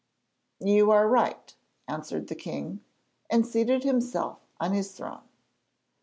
'You are right,' answered the king, and seated himself on his throne.